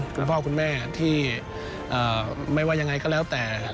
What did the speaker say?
คุณพ่อคุณแม่ที่ไม่ว่ายังไงก็แล้วแต่